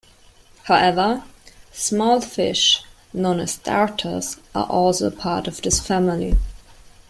However, small fish known as darters are also a part of this family.